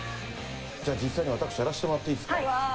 じゃあ、実際に私、やらせてもらっていいですか。